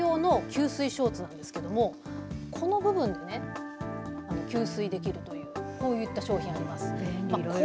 これ、サニタリー用の吸水ショーツなんですけれどもこの部分で吸水できるというこういった商品です。